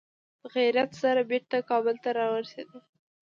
په خیریت سره بېرته کابل ته را ورسېدل.